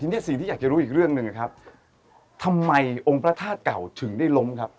ทีนี้สิ่งที่อยากจะรู้อีกเรื่องหนึ่งนะครับทำไมองค์พระธาตุเก่าถึงได้ล้มครับ